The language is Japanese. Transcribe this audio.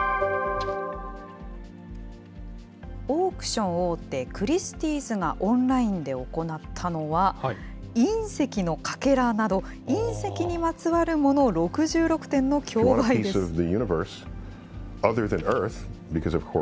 オークション大手、クリスティーズがオンラインで行ったのは、隕石のかけらなど、隕石にまつわるものを、６６点の競売です。